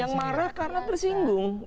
yang marah karena tersinggung